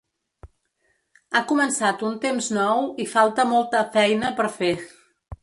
Ha començat un temps nou i falta molt a feina per fer.